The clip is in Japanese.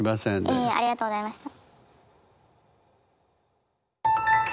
いえいえありがとうございました。